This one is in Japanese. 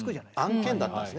案件だったんです。